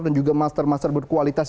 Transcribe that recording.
dan juga master master berkualitas